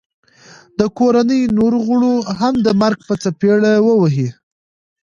د کوړنۍ نورو غړو هم د مرګ په څپېړه وه وهي